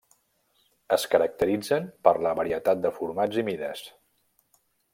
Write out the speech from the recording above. Es caracteritzen per la varietat de formats i mides.